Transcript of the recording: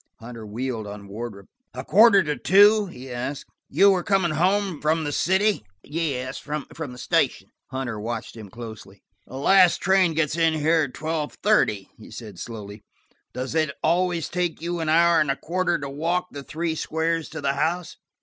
Hunter wheeled on Wardrop. "A quarter to two?" he asked. "You were coming home from–the city?" "Yes, from the station." Hunter watched him closely. "The last train gets in here at twelve thirty," he said slowly. "Does it always take you an hour and a quarter to walk the three squares to the house?"